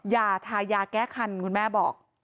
อย่าทายาแก้คันคุณแม่บอก